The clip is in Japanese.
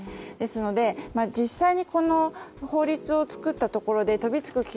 ですので、実際にこの法律を作ったところで飛びつく